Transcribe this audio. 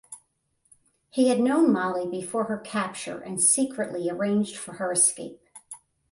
He had known Molly before her capture and secretly arranged for her escape.